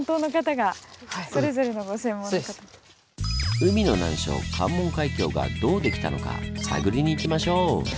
海の難所関門海峡がどう出来たのか探りに行きましょう！